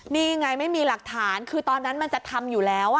นี่ไงไม่มีหลักฐานคือตอนนั้นมันจะทำอยู่แล้ว